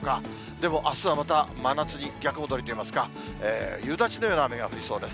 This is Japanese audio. でも、あすはまた真夏に逆戻りといいますか、夕立のような雨が降りそうです。